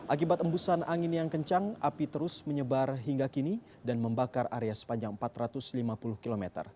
akibat embusan angin yang kencang api terus menyebar hingga kini dan membakar area sepanjang empat ratus lima puluh km